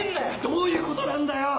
どういうことなんだよ！